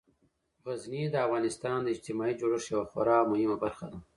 غزني د افغانستان د اجتماعي جوړښت یوه خورا مهمه برخه ده.